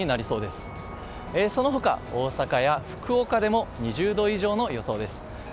その他、大阪や福岡でも２０度以上の予想です。